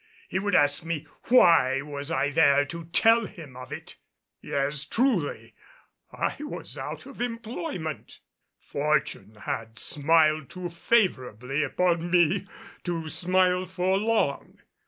He would ask me why was I there to tell him of it? Yes, truly, I was out of employment. Fortune had smiled too favorably upon me to smile for long.